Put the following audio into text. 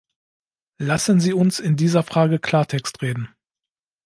Lassen Sie uns in dieser Frage Klartext reden.